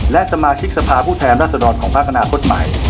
และสมาชิกสภาพผู้แทนรัศดรของภาคอนาคตใหม่